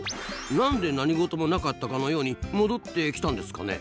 何で何事もなかったかのように戻ってきたんですかね？